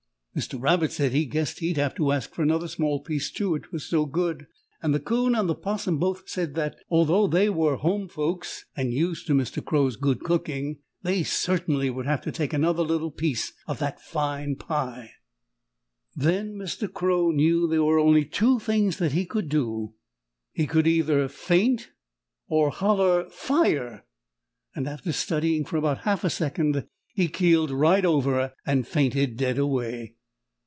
Mr. Rabbit said he guessed he'd have to ask for another small piece, too, it was so good, and the Coon and the 'Possum both said that, although they were home folks and used to Mr. Crow's good cooking, they certainly would have to take another little piece of that fine pie. [Illustration: FAINTED DEAD AWAY.] Then Mr. Crow knew there were only two things that he could do. He could either faint, or "holler" "Fire!" And, after studying for about half a second, he keeled right over and fainted dead away.